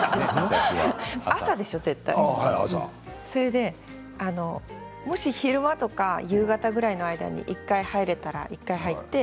朝でしょ、絶対もし昼間とか夕方ぐらいの間に１回入れたら１回入って。